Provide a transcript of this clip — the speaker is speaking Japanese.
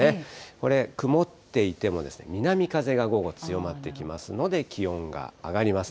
これ、曇っていても、南風が午後強まってきますので、気温が上がります。